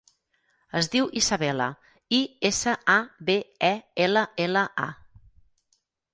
Es diu Isabella: i, essa, a, be, e, ela, ela, a.